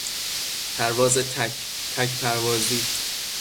پرواز تک، تک پروازی